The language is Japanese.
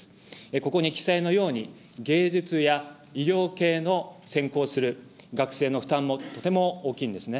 ここに記載のように、藝術や医療系の専攻する学生の負担もとても大きいんですね。